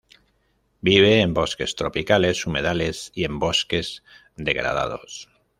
Vive en bosques tropicales, humedales y en bosques degradados.